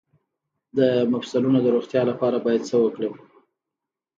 د مفصلونو د روغتیا لپاره باید څه وکړم؟